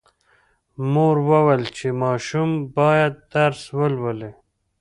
مور وویل چې ماشوم باید درس ولولي.